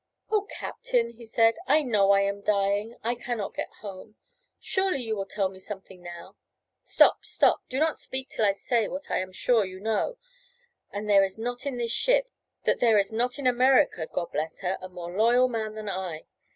"O Captain," he said, "I know I am dying. I cannot get home. Surely you will tell me something now? Stop! stop! Do not speak till I say what I am sure you know, that there is not in this ship, that there is not in America God bless her! a more loyal man than I.